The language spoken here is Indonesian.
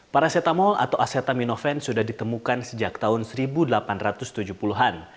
paracetamol atau asetam sudah ditemukan sejak tahun seribu delapan ratus tujuh puluh an